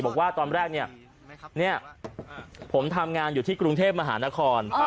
บอกว่าตอนแรกเนี่ยผมทำงานอยู่ที่กรุงเทพมหานคร